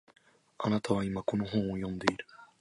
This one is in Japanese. あなたは今、この文を読んでいる